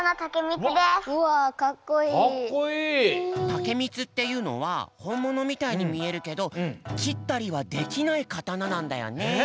竹光っていうのはほんものみたいにみえるけどきったりはできない刀なんだよね。